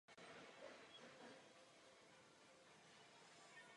Nevím, jakou potřebujete kvalitu textu a jak moc to chcete opravovat.